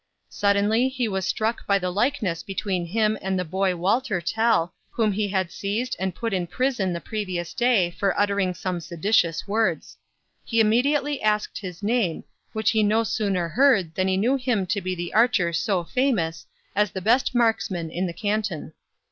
Suddenly, he was struck by the likeness between him and the boy Walter Tell, whom he had seized and put in prison the previous day for uttering some seditious words; he immediately asked his name, which he no sooner heard than he knew him to be the archer so famous, as the best marksman in the Canton.